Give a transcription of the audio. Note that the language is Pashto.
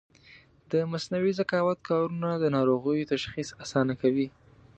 د مصنوعي ذکاوت کارونه د ناروغیو تشخیص اسانه کوي.